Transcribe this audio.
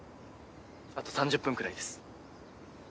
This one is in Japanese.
あと３０分くらいです。